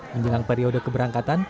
menjelang periode keberangkatan